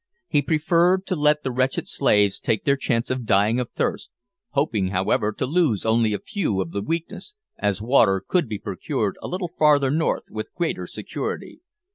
He preferred to let the wretched slaves take their chance of dying of thirst hoping, however, to lose only a few of the weakest, as water could be procured a little farther north with greater security.